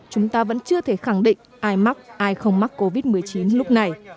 chúng ta vẫn chưa thể khẳng định ai mắc ai không mắc covid một mươi chín lúc này